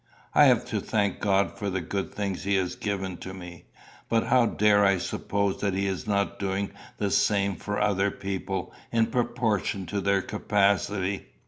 I have to thank God for the good things he has given to me; but how dare I suppose that he is not doing the same for other people in proportion to their capacity?